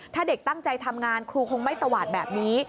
ถ้าเด็กตั้งใจทำงานครูคงไม่ตวาดแบบนี้